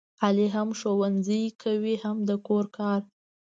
علي هم ښوونځی کوي هم د کور کار.